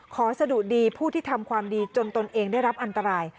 ขอสะดุดีผู้ที่ทำความดีจนตนเองได้รับอันตราย